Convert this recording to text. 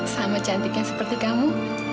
sama cantiknya seperti kamu